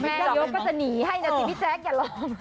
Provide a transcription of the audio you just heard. แม่ยกก็จะหนีให้นะจิ๊มมี่แจ๊คอย่าร้อง